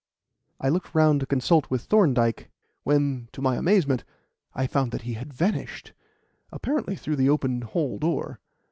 I looked round to consult with Thorndyke, when, to my amazement, I found that he had vanished apparently through the open hall door.